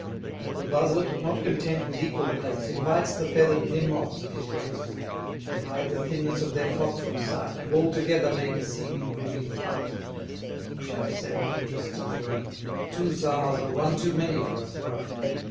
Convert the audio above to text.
The Buzzard, not content with equal place, Invites the feather'd Nimrods of his race; To hide the thinness of their flock from sight, And all together make a seeming goodly flight: But each have separate interests of their own; Two Czars are one too many for a throne.